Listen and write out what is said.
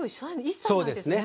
一切ないですね。